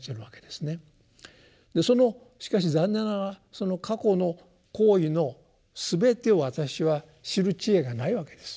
そのしかし残念ながらその過去の行為の全てを私は知る智慧がないわけです。